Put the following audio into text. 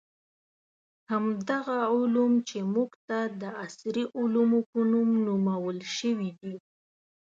همدغه علوم چې موږ ته د عصري علومو په نوم نومول شوي دي.